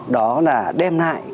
đó là đem lại